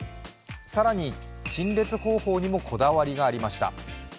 更に、陳列方法にもこだわりがありました。